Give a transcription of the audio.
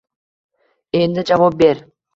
Endi javob ber